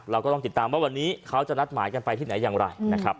เราก็ต้องติดตามว่าวันนี้เขาจะนัดหมายกันไปที่ไหนอย่างไรนะครับ